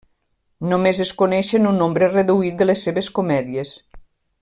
Només es coneixen un nombre reduït de les seves comèdies.